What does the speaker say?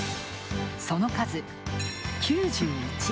その数９１。